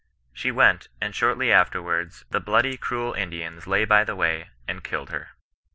She went ; and shortly afterwards * the bloody, cruel Indians, lay by the way, and killed her.'